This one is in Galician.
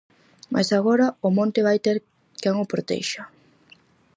Mais agora, o monte vai ter quen o protexa...